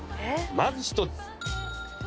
まず１つ。